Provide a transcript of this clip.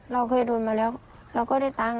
เราเคยโดนมาแล้วเราก็ได้ตังค์